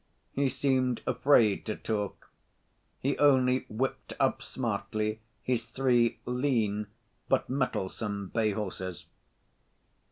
He seemed afraid to talk, he only whipped up smartly his three lean, but mettlesome, bay horses.